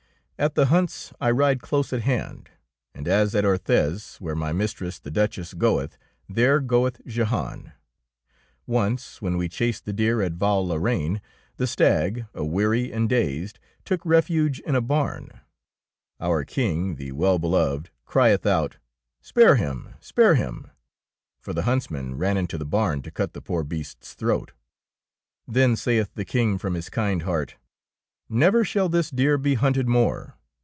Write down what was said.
At the hunts I ride close at hand, and as at Orthez, where my mistress the Duchess goeth, there goeth Jehan. Once when we chased the deer at Yal la Reine, the stag, a weary and dazed, took refuge in a barn. Our King, the Well beloved, crieth out, —" Spare him, spare him," for the 39 DEEDS OF DABING huntsmen ran into the barn to cut the poor beast's throat. Then saith the King from his kind heart, — "Never shall this deer be hunted more.